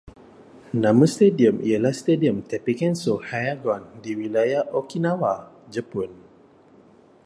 Nama stadium ialah Stadium Tapic Kenso Hiyagon, di Wilayah Okinawa, Jepun